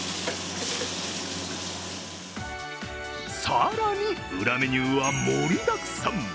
更に裏メニューは盛りだくさん。